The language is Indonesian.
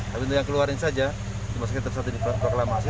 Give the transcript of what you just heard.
tapi untuk yang keluarin saja cuma sekitar satu di proklamasi